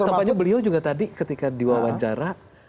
karena tampaknya beliau juga tadi ketika diwawancara